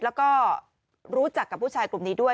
แล้วก็รู้จักกับผู้ชายกลุ่มนี้ด้วย